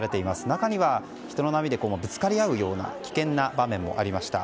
中には人の波でぶつかり合うような危険な場面もありました。